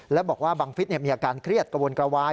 และบอกว่าบังฟิศมีอาการเครียดกระวนกระวาย